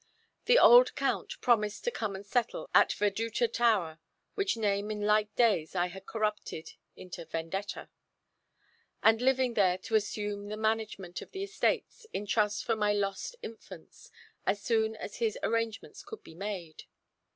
The old Count promised to come and settle at Veduta tower which name, in light days, I had corrupted into "Vendetta" and living there to assume the management of the estates, in trust for my lost infants, as soon as his arrangements could be made.